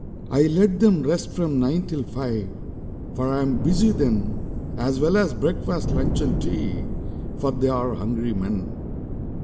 I let them rest from nine till five, For I am busy then, As well as breakfast, lunch, and tea, For they are hungry men.